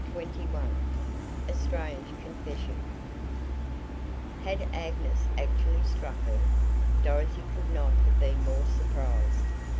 CHAPTER XXI A STRANGE CONFESSION Had Agnes actually struck her, Dorothy could not have been more surprised.